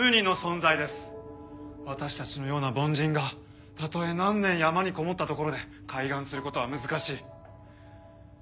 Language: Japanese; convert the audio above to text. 私たちのような凡人がたとえ何年山にこもったところで開眼する事は難しい。